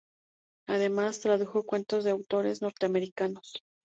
Además, tradujo cuentos de autores norteamericanos.